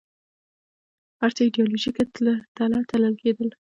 هر څه ایدیالوژیکه تله تلل کېدل